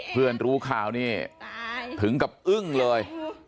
รู้ข่าวนี่ถึงกับอึ้งเลย